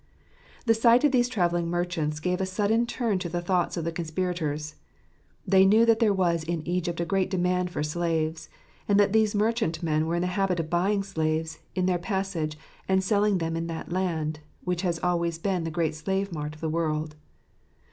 The sight of these travelling merchants gave a sudden turn to the thoughts of the conspirators. They knew that there was in Egypt a great demand for slaves, and that these merchantmen were in the habit of buying slaves in their passage and selling them in that land, which has always been the great slave mart of the world.